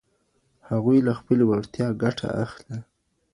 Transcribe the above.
هغوی له خپلې وړتيا ګټه اخلي.